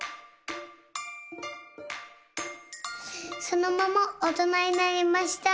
そのままおとなになりました。